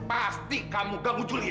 pasti kamu ganggu juli ya